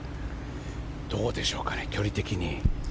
どうでしょうかね距離的に。